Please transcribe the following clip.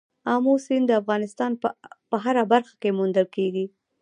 آمو سیند د افغانستان په هره برخه کې موندل کېږي.